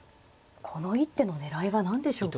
この一手の狙いは何でしょうか。